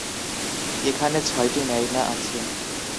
এখানে ছয়টি ম্যারিনা আছে।